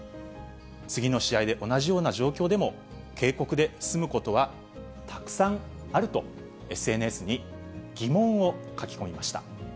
次の試合で同じような状況でも警告で済むことはたくさんあると、ＳＮＳに疑問を書き込みました。